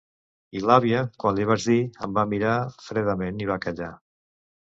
I l'àvia, quan li ho vaig dir, em va mirar fredament i va callar.